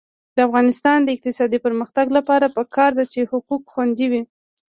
د افغانستان د اقتصادي پرمختګ لپاره پکار ده چې حقوق خوندي وي.